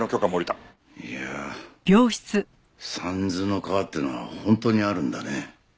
いや三途の川っていうのは本当にあるんだね。